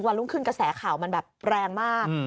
รุ่งขึ้นกระแสข่าวมันแบบแรงมาก